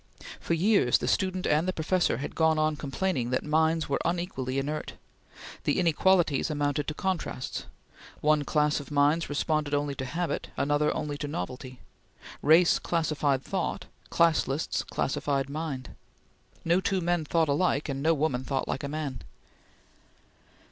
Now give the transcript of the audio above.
For years the student and the professor had gone on complaining that minds were unequally inert. The inequalities amounted to contrasts. One class of minds responded only to habit; another only to novelty. Race classified thought. Class lists classified mind. No two men thought alike, and no woman thought like a man.